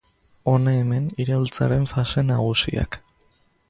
Hona hemen iraultzaren fase nagusiak.